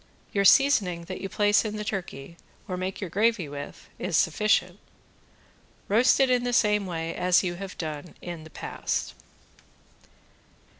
Your seasoning that you place in the turkey, or make your gravy with, is sufficient. Roast it in the same way as you have done in the past.